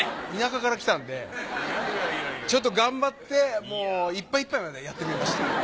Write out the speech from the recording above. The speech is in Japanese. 田舎から来たんでちょっと頑張ってもういっぱいいっぱいまでやってみました。